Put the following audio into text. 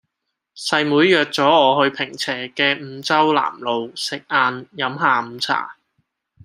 細妹約左我去坪輋嘅五洲南路食晏飲下午茶